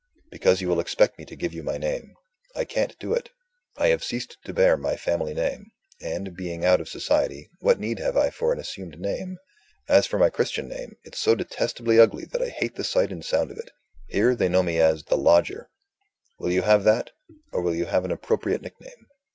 "Because you will expect me to give you my name. I can't do it. I have ceased to bear my family name; and, being out of society, what need have I for an assumed name? As for my Christian name, it's so detestably ugly that I hate the sight and sound of it. Here, they know me as The Lodger. Will you have that? or will you have an appropriate nick name?